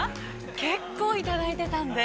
結構いただいてたんで。